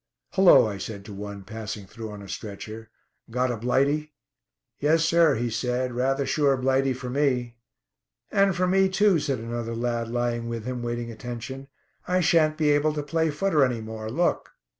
"Hullo," I said to one passing through on a stretcher, "got a 'blighty'?" "Yes, sir," he said; "rather sure Blighty for me." "And for me too," said another lad lying with him waiting attention, "I shan't be able to play footer any more. Look!"